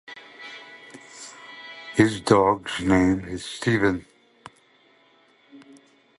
His dog's name is Stephen.